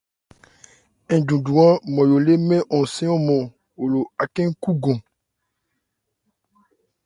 Ńjuju-án Nmɔyo lê mɛ́n hɔnsɛ́n ɔ́nmɔn, wo lo ácɛn-kúgɔn.